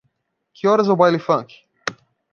Que horas é o baile funk.